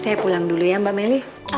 saya pulang dulu ya mbak melly